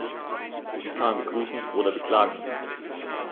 Dies kann man begrüßen oder beklagen.